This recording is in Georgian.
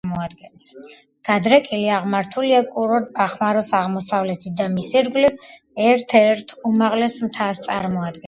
გადრეკილი აღმართულია კურორტ ბახმაროს აღმოსავლეთით და მის ირგვლივ ერთ-ერთ უმაღლეს მთას წარმოადგენს.